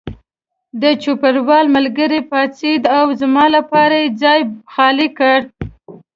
د چوپړوال ملګری پاڅېد او زما لپاره یې ځای خالي کړ.